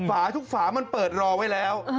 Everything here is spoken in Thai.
ทุกฝามันเปิดรอไว้แล้ว